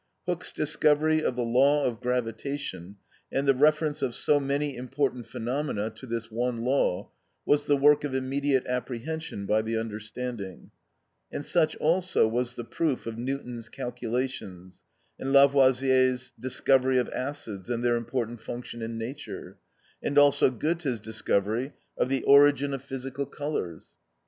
Hooke's discovery of the law of gravitation, and the reference of so many important phenomena to this one law, was the work of immediate apprehension by the understanding; and such also was the proof of Newton's calculations, and Lavoisier's discovery of acids and their important function in nature, and also Goethe's discovery of the origin of physical colours.